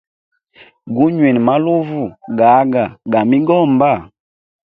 Gunywine maluvu gaga ga migomba.